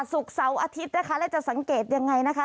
ศุกร์เสาร์อาทิตย์นะคะแล้วจะสังเกตอย่างไรนะคะ